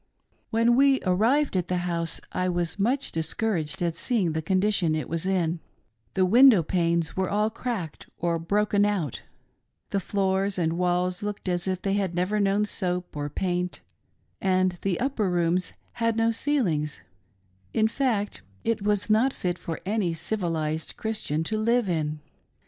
When we arrived at the house I was much discouraged at seeing the condition it was in : the window panes were all cracked or broken out, the floors and walls looked as if they had never known soap or paint, and the upper rooms had no ceilings ; in fact it was not fit for any civilised Christian to live in.